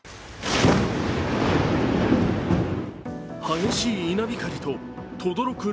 激しい稲光と、とどろく